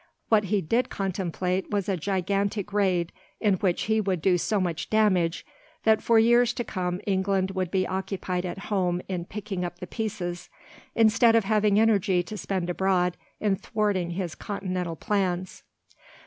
What he did contemplate was a gigantic raid in which he would do so much damage that for years to come England would be occupied at home in picking up the pieces, instead of having energy to spend abroad in thwarting his Continental plans.